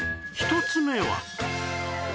１つ目は